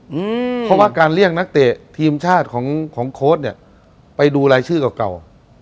เพราะว่าการเรียกนักเตะทีมชาติของของโค้ดเนี่ยไปดูรายชื่อเก่าเก่า